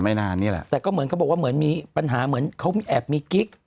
นานนี่แหละแต่ก็เหมือนเขาบอกว่าเหมือนมีปัญหาเหมือนเขาแอบมีกิ๊ก